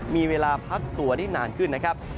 มีเวลาพักตัวได้นานขึ้นนะครับ